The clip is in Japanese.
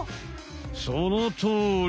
そのとおり！